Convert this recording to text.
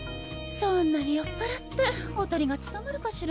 そんなに酔っぱらっておとりが務まるかしら？